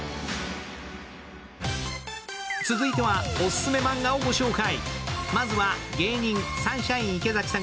続いてはオススメマンガをご紹介。